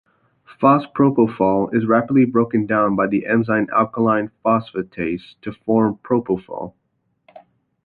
Fospropofol is rapidly broken down by the enzyme alkaline phosphatase to form propofol.